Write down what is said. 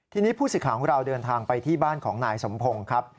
ทีนี้ผู้สิทธิ์ของเราเดินทางไปที่บ้านของนายสมพงศ์ครับ